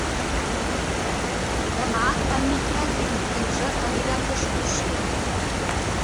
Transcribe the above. Demà en Miquel i en Quirze aniran d'excursió.